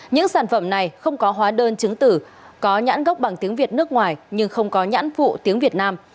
những sản phẩm này không có hóa đơn chứng tử có nhãn gốc bằng tiếng việt nước ngoài nhưng không có nhãn phụ tiếng việt nam